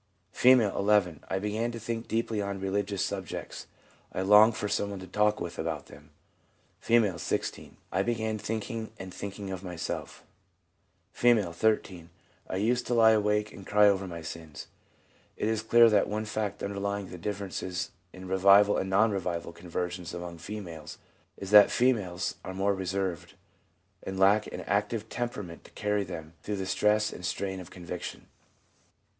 F., 11. 'I began to think deeply on religious subjects. I longed for some one to talk with about them/ F., 16. 'I began thinking and thinking by myself/ F., 13. * I used to lie awake and cry over my sins/ It is clear that one fact underlying the differences in revival and non revival conversions among females is that females are more reserved, and lack an active temperament to carry them through the stress and strain of conviction, 5.